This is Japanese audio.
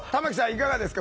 いかがですか？